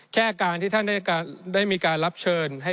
แล้วเขาต้องการอะไร